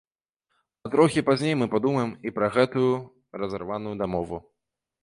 А трохі пазней мы падумаем і пра гэтую разарваную дамову.